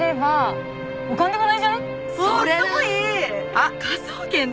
あっ『科捜研』だ！